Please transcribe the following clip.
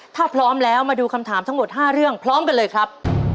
ถ้าพร้อมแล้วมาดูคำถามทั้งหมด๕เรื่องพร้อมกันเลยครับ